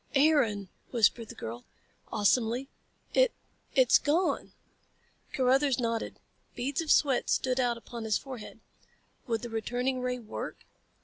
"Aaron!" whispered the girl, awesomely. "It ... it's gone!" Carruthers nodded. Beads of sweat stood out upon his forehead. Would the returning ray work?